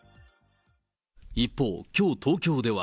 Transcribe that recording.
一方、きょう東京では。